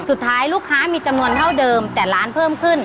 สุดท้ายลูกค้ามีจำนวนเท่าเดิมแต่ร้านเพิ่มขึ้น